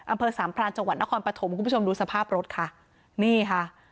อำเภอสามพรานจังหวัดนครปฐมคุณผู้ชมดูสภาพรถค่ะนี่ค่ะ